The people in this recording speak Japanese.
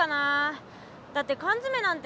だってかんづめなんてないもん。